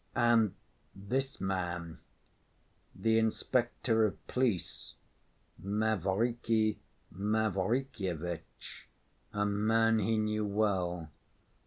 And this man—the inspector of police, Mavriky Mavrikyevitch, a man he knew well.